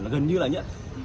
gần như là nhất